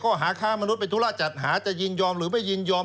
ข้อหาค้ามนุษย์ธุระจัดหาจะยินยอมหรือไม่ยินยอม